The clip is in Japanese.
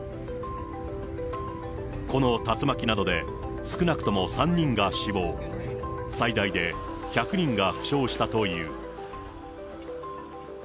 この竜巻などで、少なくとも３人が死亡、最大で１００人が負傷したという。